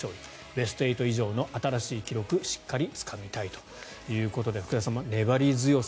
ベスト８以上の新しい記録しっかりつかみたいということで福田さん、粘り強さ